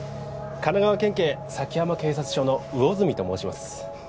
神奈川県警先浜警察署の魚住と申します